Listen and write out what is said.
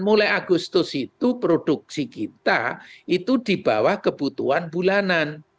mulai agustus itu produksi kita itu di bawah kebutuhan bulanan